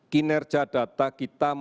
kinerja data kita masih